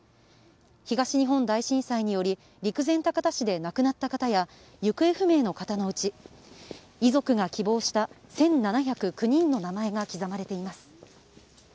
東日本大震災により陸前高田市で亡くなった方や行方不明の方のうち遺族が希望した１７０９人の名前が刻まれています。